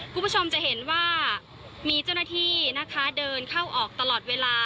คุณผู้ชมจะเห็นว่ามีเจ้าหน้าที่นะคะเดินเข้าออกตลอดเวลา